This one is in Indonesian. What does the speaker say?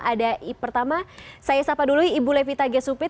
ada pertama saya sapa dulu ibu levita gesupit